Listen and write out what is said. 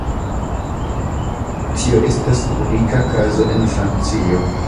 Tio estas unika kazo en Francio.